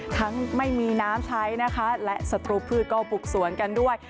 ไม่มีน้ำใช้นะคะและศัตรูพืชก็ปลูกสวนกันด้วย